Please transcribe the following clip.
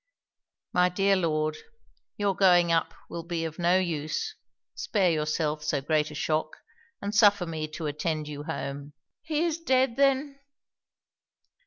'My dear Lord, your going up will be of no use; spare yourself so great a shock, and suffer me to attend you home.' 'He is dead then?'